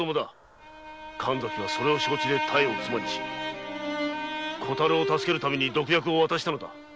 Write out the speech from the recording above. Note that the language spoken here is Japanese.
神崎はそれを承知で妙を妻にし小太郎を助けるために毒薬を。